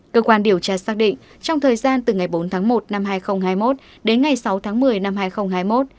cơ quan điều tra xác định trong thời gian từ ngày bốn tháng một năm hai nghìn hai mươi một đến ngày sáu tháng một mươi năm hai nghìn hai mươi một